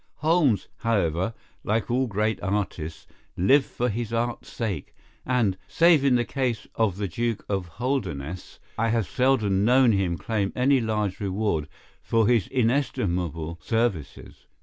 Holmes, however, like all great artists, lived for his art's sake, and, save in the case of the Duke of Holdernesse, I have seldom known him claim any large reward for his inestimable services.